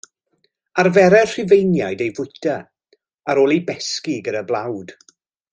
Arferai'r Rhufeiniaid ei fwyta, ar ôl ei besgi gyda blawd.